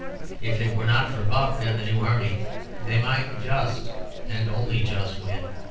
If it were not for Buck and the new army they might just, and only just, win.